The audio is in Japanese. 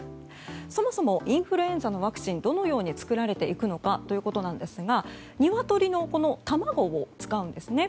そもそも、インフルエンザのワクチンがどのように作られるかといいますとニワトリの卵を使うんですね。